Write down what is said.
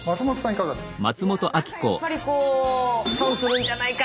いかがですか？